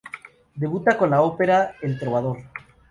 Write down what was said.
Debuta con la ópera El Trovador.